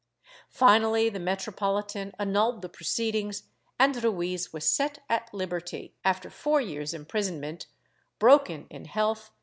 Finally the metropolitan annulled the proceedings and Ruiz was set at liberty, after four years' imprisonment, broken in health and I > Marliani, I, 208 17.